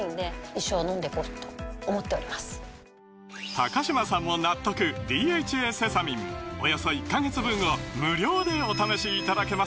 高嶋さんも納得「ＤＨＡセサミン」およそ１カ月分を無料でお試しいただけます